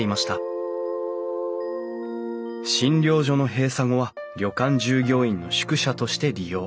診療所の閉鎖後は旅館従業員の宿舎として利用。